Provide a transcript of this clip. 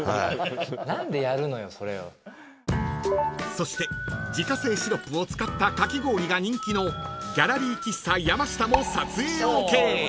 ［そして自家製シロップを使ったかき氷が人気のギャラリー喫茶やましたも］